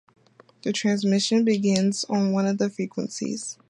The transmission begins on one of the frequencies.